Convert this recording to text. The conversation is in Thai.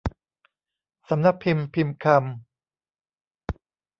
สำนักพิมพ์พิมพ์คำ